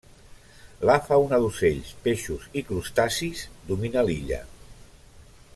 La fauna d'ocells, peixos i crustacis domina l'illa.